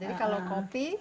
jadi kalau kopi